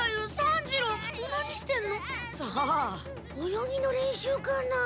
泳ぎの練習かなあ？